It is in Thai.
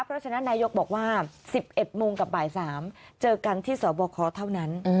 เพราะฉะนั้นนายกบอกว่า๑๑โมงกับบ่าย๓เจอกันที่สบคเท่านั้น